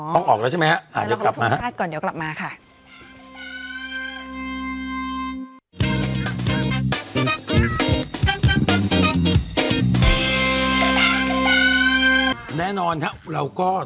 อ๋อต้องออกแล้วใช่ไหมฮะเดี๋ยวกลับมาฮะนายกจะเดินทางกลับบ้านแล้วอ๋อต้องออกแล้วใช่ไหมฮะ